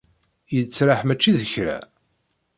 Yettraḥ mačči d kra.